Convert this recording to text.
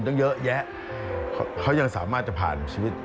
ตั้งเยอะแยะเขายังสามารถจะผ่านชีวิต